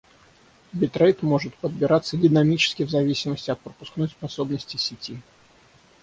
Битрейт может подбираться динамически в зависимости от пропускной способности сети